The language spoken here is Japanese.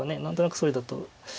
何となくそれだと。